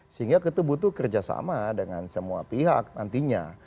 sehingga kita butuh kerjasama dengan semua pihak nantinya